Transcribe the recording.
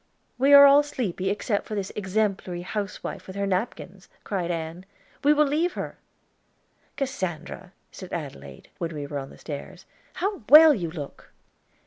"We are all sleepy except this exemplary housewife with her napkins," cried Ann. "We will leave her." "Cassandra," said Adelaide, when we were on the stairs, "how well you look!"